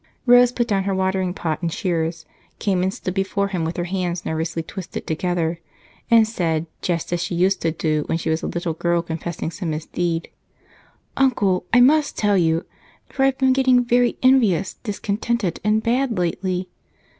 Rose put down her water pot and shears, came and stood before him with her hands nervously twisted together, and said, just as she used to do when she was a little girl confessing some misdeed: "Uncle, I must tell you, for I've been getting very envious, discontented, and bad lately.